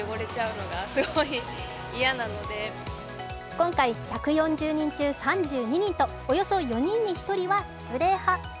今回１４０人中３２人とおよそ４人に１人はスプレー派。